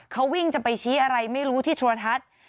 เขาวิ่งจะไปชี้อะไรไม่รู้ที่โทรทัศน์